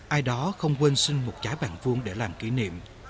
ai đó không quên sinh một trái bàn vuông để làm kỷ niệm